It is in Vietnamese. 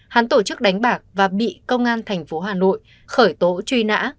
hắn tổ chức đánh bạc và bị công an tp hà nội khởi tố truy nã